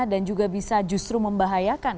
dan juga bisa justru membahayakan